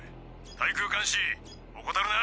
対空監視怠るな。